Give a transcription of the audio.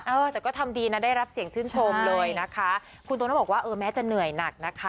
เออแต่ก็ทำดีนะได้รับเสียงชื่นชมเลยนะคะคุณโตโน่บอกว่าเออแม้จะเหนื่อยหนักนะคะ